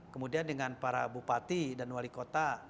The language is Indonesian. kemudian dengan para bupati dan wali kota